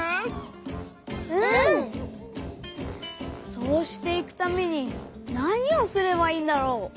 そうしていくためになにをすればいいんだろう？